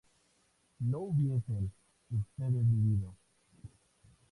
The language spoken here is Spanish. ¿no hubiesen ustedes vivido?